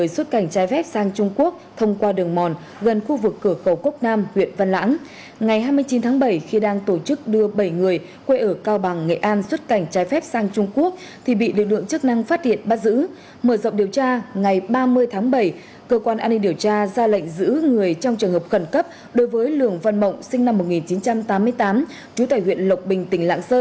xin chào và hẹn gặp lại